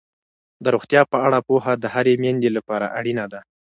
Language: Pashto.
د روغتیا په اړه پوهه د هرې میندې لپاره اړینه ده.